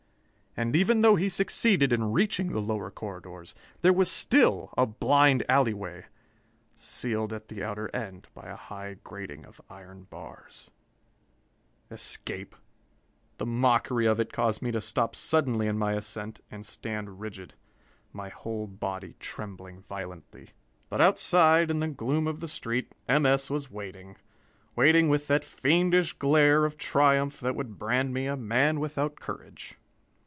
And even though he succeeded in reaching the lower corridors, there was still a blind alley way, sealed at the outer end by a high grating of iron bars.... Escape! The mockery of it caused me to stop suddenly in my ascent and stand rigid, my whole body trembling violently. But outside, in the gloom of the street, M. S. was waiting, waiting with that fiendish glare of triumph that would brand me a man without courage.